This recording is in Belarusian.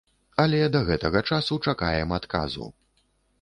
Але да гэтага часу чакаем адказу.